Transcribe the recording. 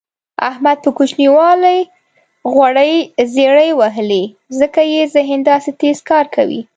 احمد په کوچینوالي غوړې زېړې وهلي ځکه یې ذهن داسې تېز کار کوي.